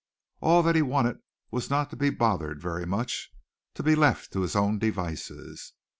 All that he wanted was not to be bothered very much, to be left to his own devices.